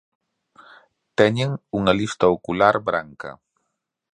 Teñen unha lista ocular branca.